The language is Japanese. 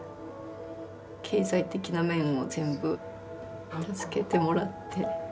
経済的な面を全部助けてもらって。